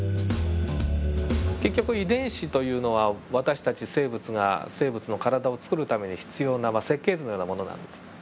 結局遺伝子というのは私たち生物が生物の体をつくるために必要な設計図のようなものなんですね。